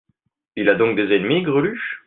Il a donc des ennemis, Greluche ?